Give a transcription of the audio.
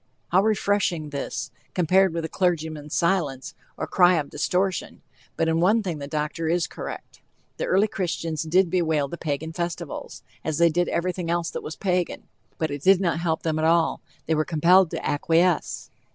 How refreshing this, compared with the clergyman's silence, or cry of "distortion." But in one thing the doctor is correct. The early Christians did bewail the Pagan festivals, as they did everything else that was Pagan. But it did not help them at all; they were compelled to acquiesce.